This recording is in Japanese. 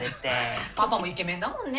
パパもイケメンだもんね。